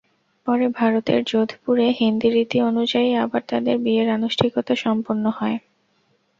পরে ভারতের যোধপুরে হিন্দি রীতি অনুযায়ী আবার তাঁদের বিয়ের আনুষ্ঠানিকতা সম্পন্ন হয়।